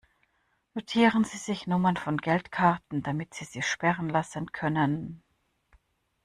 Notieren Sie sich Nummern von Geldkarten, damit sie sie sperren lassen können.